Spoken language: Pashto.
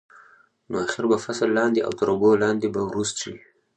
نو اخر به فصل لاندې او تر اوبو لاندې به وروست شي.